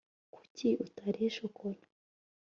kuki utariye shokora